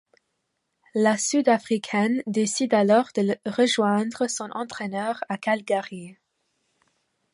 La Sud-africaine décide alors de rejoindre son entraîneur à Calgary.